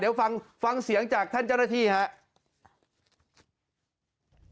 เดี๋ยวฟังเสียงจากท่านเจ้าหน้าที่ครับ